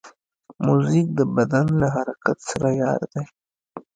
موزیک د بدن له حرکت سره یار دی.